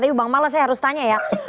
tapi bang mala saya harus tanya ya